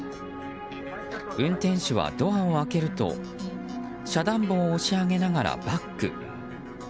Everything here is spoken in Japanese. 運転手はドアを開けると遮断棒を押し上げながらバック。